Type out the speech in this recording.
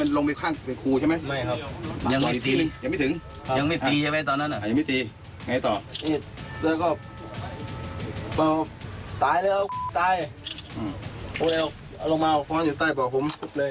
เอาลงมาเอาคว้างอยู่ใต้บ่าผม